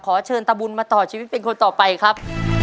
ขอเชิญตะบุญมาต่อชีวิตเป็นคนต่อไปครับ